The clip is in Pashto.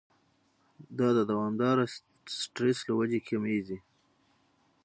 دا د دوامداره سټرېس له وجې کميږي